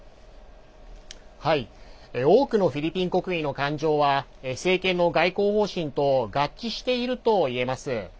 多くのフィリピン国民の感情は政権の外交方針と合致しているといえます。